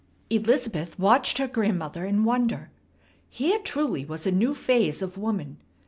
Elizabeth watched her grandmother in wonder. Here truly was a new phase of woman.